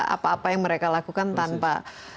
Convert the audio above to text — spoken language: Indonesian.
apa apa yang mereka lakukan tanpa